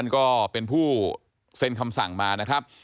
ก็เป็นผู้เซ็นคำสั่งมานะครับ